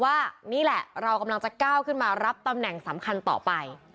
ว่านี่แหละเรากำลังจะก้าวขึ้นมารับตำแหน่งสำคัญต่อไป